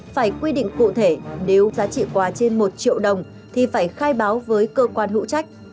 phải quy định cụ thể nếu giá trị quá trên một triệu đồng thì phải khai báo với cơ quan hữu trách